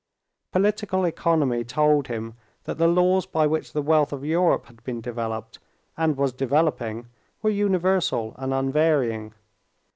Political economy told him that the laws by which the wealth of Europe had been developed, and was developing, were universal and unvarying.